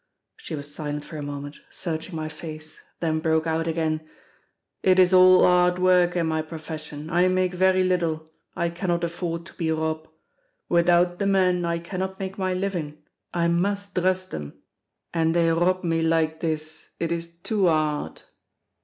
She was silent for a moment, searching my face, then broke out again: "It is all 'ard work in my profession, I make very liddle, I cannot afford to be rob. Without the men I cannod make my living, I must drust them—and they rob me like this, it is too 'ard."